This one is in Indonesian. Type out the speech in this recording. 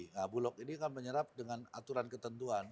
nah bulog ini kan menyerap dengan aturan ketentuan